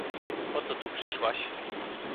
"Po co tu przyszłaś?"